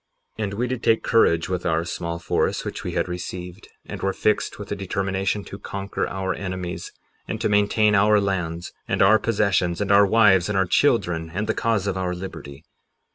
58:12 And we did take courage with our small force which we had received, and were fixed with a determination to conquer our enemies, and to maintain our lands, and our possessions, and our wives, and our children, and the cause of our liberty.